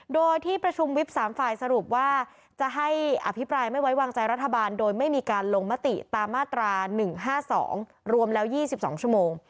โดยที่ประชุมวิปสามฝ่ายสรุปว่าจะให้อภิปรายไม่ไว้วางใจรัฐบาลโดยไม่มีการลงมติตามมาตราหนึ่งห้าสองรวมแล้วยี่สิบสองชั่วโมง